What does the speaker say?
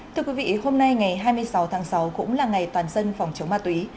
thưa quý vị hôm nay ngày hai mươi sáu tháng sáu cũng là ngày toàn dân phòng chống ma túy